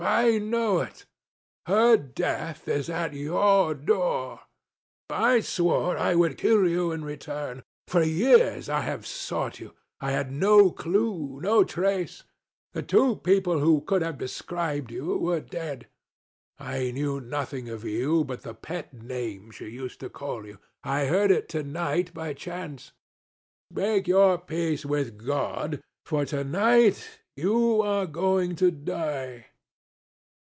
I know it. Her death is at your door. I swore I would kill you in return. For years I have sought you. I had no clue, no trace. The two people who could have described you were dead. I knew nothing of you but the pet name she used to call you. I heard it to night by chance. Make your peace with God, for to night you are going to die."